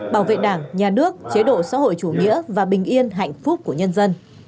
bảo vệ đảng nhà nước chế độ xã hội chủ nghĩa và bình yên hạnh phúc của nhân dân